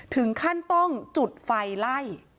ถึงขั้นต้องจุดไฟไล่